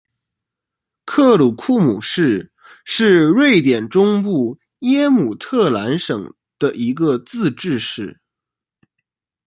克鲁库姆市是瑞典中部耶姆特兰省的一个自治市。